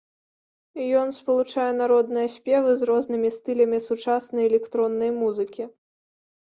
Ён спалучае народныя спевы з рознымі стылямі сучаснай электроннай музыкі.